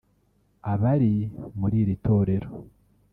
Abari muri iri torero